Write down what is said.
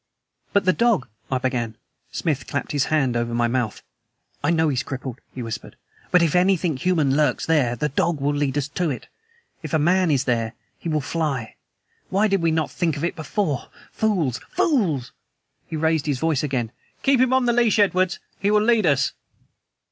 "But the dog " I began. Smith clapped his hand over my mouth. "I know he's crippled," he whispered. "But if anything human lurks there, the dog will lead us to it. If a MAN is there, he will fly! Why did we not think of it before. Fools, fools!" He raised his voice again. "Keep him on leash, Edwards. He will lead us."